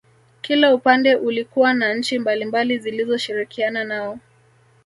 Kila upande ulikuwa na nchi mbalimbali zilizoshirikiana nao